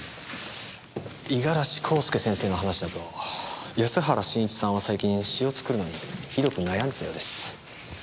五十嵐孝介先生の話だと安原慎一さんは最近詩を作るのにひどく悩んでいたようです。